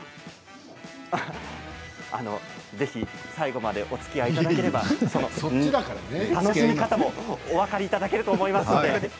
ぜひ最後までおつきあいいただければ楽しみ方もお分かりいただけると思います。